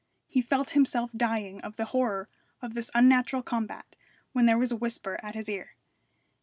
He felt himself dying of the horror of this unnatural combat, when there was a whisper at his ear.